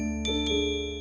dengan hormat tuan maxwell